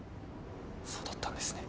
そうだったんですね。